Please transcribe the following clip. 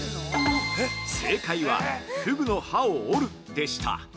◆正解は、ふぐの歯を折るでした。